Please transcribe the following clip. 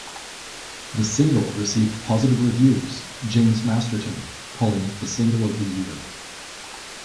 The single received positive reviews, James Masterton calling it the single of the year.